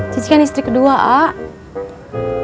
cici kan istri kedua a'at